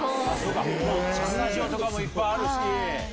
スタジオとかもいっぱいあるし。